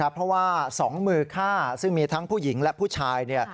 เพราะว่า๒มือฆ่าซึ่งมีทั้งผู้หญิงและผู้ชาย